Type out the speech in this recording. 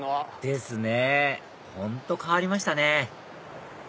ですね本当変わりましたね